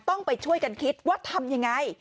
ต้องไปช่วยกันคิดว่าทำยังไง